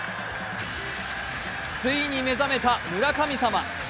ついに目覚めた村神様。